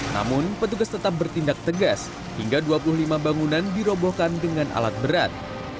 namun petugas tetap bertindak tegas hingga dua puluh lima bangunan dirobohkan dengan alat berat